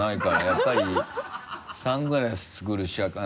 やっぱりサングラス作るしか。